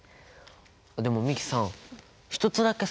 でも美樹さん１つだけさ